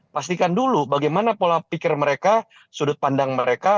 pastikan dulu bagaimana pola pikir mereka sudut pandang mereka